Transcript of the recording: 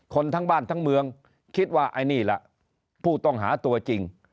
ทั้งบ้านทั้งเมืองคิดว่าไอ้นี่ล่ะผู้ต้องหาตัวจริง